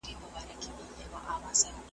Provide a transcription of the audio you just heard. چي لږ مخکي له بل ځایه وو راغلی ,